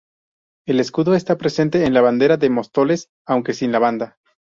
El escudo está presente en la bandera de Móstoles, aunque sin la banda.